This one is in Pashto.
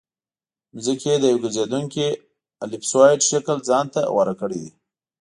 ځمکې د یو ګرځېدونکي الپسویډ شکل ځان ته غوره کړی دی